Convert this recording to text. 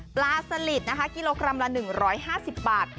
ปลาสลิดนะคะกิโลกรัมละ๑๕๐บาท